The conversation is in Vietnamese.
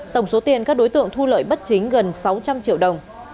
tổng số tiền các đối tượng thu lợi bất chính gần sáu trăm linh triệu đồng